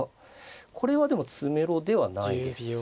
これはでも詰めろではないです。